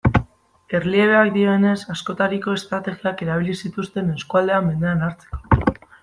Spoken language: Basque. Erliebeak dioenez, askotariko estrategiak erabili zituzten eskualdea mendean hartzeko.